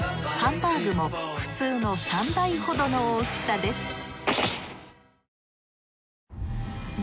ハンバーグも普通の３倍ほどの大きさです